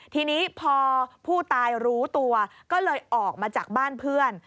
ทีนี้พอผู้ตายรู้ตัวก็เลยออกมาจากบ้านเพื่อน